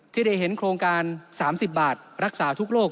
ที่ได้เห็นโครงการ๓๐บาทรักษาทุกโลก